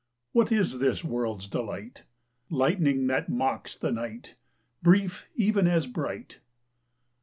What is this world's delight? _5 Lightning that mocks the night, Brief even as bright.